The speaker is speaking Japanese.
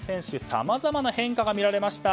さまざまな変化が見られました。